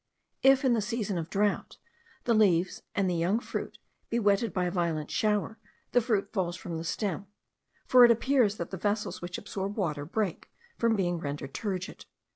If, in the season of drought, the leaves and the young fruit be wetted by a violent shower, the fruit falls from the stem; for it appears that the vessels which absorb water break from being rendered turgid.